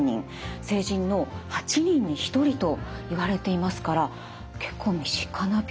成人の８人に１人といわれていますから結構身近な病気ですよね。